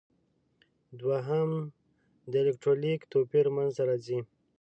دوهم د الکترولیتیک توپیر منځ ته راځي.